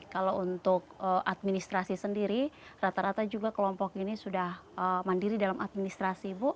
kalau untuk administrasi sendiri rata rata juga kelompok ini sudah mandiri dalam administrasi bu